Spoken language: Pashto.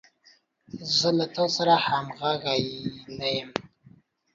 زه له تا سره همنیزی نه یم.